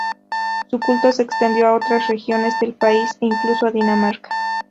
Su culto se extendió a otras regiones del país e incluso a Dinamarca.